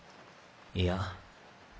いや。